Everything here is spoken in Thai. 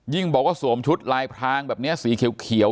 ยิ่งบอกสวมชุดลายพลางแบบนี้สีเขียว